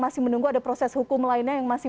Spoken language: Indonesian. masih menunggu ada proses hukum lainnya yang masih